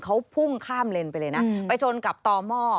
เขาพุ่งข้ามเลนไปเลยนะไปชนกับต่อหม้อ